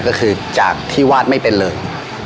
ก็คือจากที่วาดไม่เป็นเลย